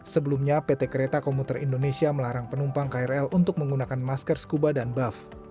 sebelumnya pt kereta komuter indonesia melarang penumpang krl untuk menggunakan masker scuba dan buff